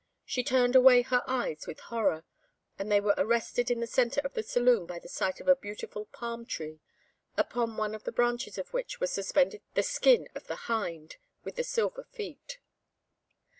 She turned away her eyes with horror, and they were arrested in the centre of the saloon by the sight of a beautiful palm tree, upon one of the branches of which was suspended the skin of the Hind with the silver feet.